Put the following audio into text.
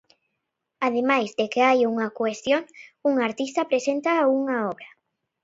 Ademais de que hai unha cuestión, un artista presenta unha obra.